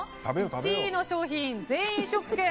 １位の商品全員試食券。